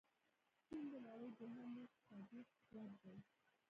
چين د نړۍ دوهم لوی اقتصادي قوت دې.